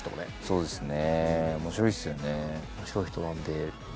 そうですね。